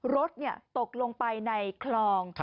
รถตกลงไปในคลอง